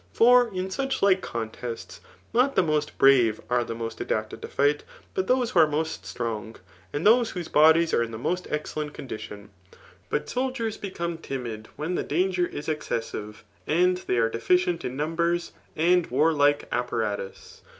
For in such like contests, not the most brave are the most adapted to fight, but those who are most strong, and whose bodies are in the most excellent ccm didon. But soldiers become timid when the danger is excessive, and they are deficient in numbers and waxlikt apparatus.